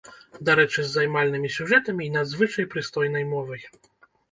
Дарэчы, з займальнымі сюжэтамі і надзвычай прыстойнай мовай.